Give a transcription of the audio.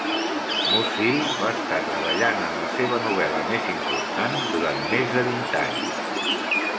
Musil va estar treballant en la seva novel·la més important durant més de vint anys.